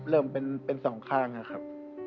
เริ่มเป็นสองข้างนะครับ